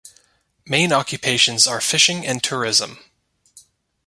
Main occupations are fishing and tourism.